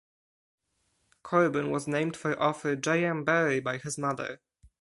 Corbin was named for author J. M. Barrie by his mother.